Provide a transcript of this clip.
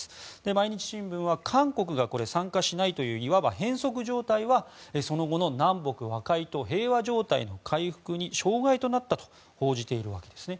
毎日新聞は韓国が参加しないといういわば変則状態は、その後の南北和解と平和状態の回復に障害となったと報じているわけです。